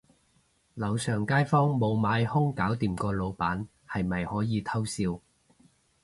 樓上街坊無買兇搞掂個老闆，係咪可以偷笑